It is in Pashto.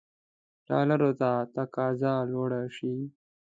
ډالرو ته تقاضا لوړه شي.